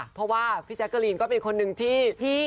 เพราะว่าพี่แจ๊กกะลีนก็เป็นคนหนึ่งที่